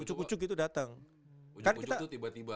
ujuk ujuk itu tiba tiba